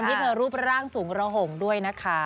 ด้วยความที่เธอรูปร่างสูงระหงด้วยนะคะ